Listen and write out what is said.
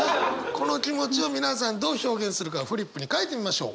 この気持ちを皆さんどう表現するかフリップに書いてみましょう。